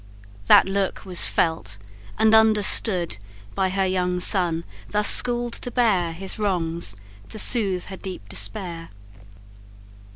That look was felt, and understood By her young son, thus school'd to bear His wrongs, to soothe her deep despair.